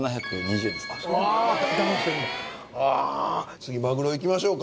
次マグロいきましょうか。